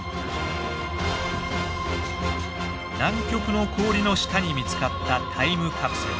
南極の氷の下に見つかったタイムカプセル。